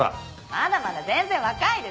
まだまだ全然若いです。